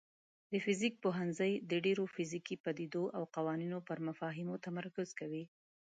د فزیک پوهنځی د ډیرو فزیکي پدیدو او قوانینو پر مفاهیمو تمرکز کوي.